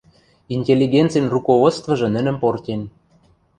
Интеллигенцин руководствыжы нӹнӹм портен...